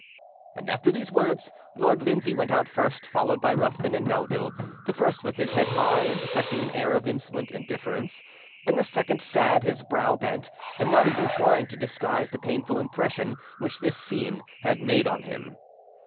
And after these words, Lord Lindsay went out first, followed by Ruthven and Melville, the first with his head high and affecting an air of insolent indifference, and the second, sad, his brow bent, and not even trying to disguise the painful impression which this scene had made on him.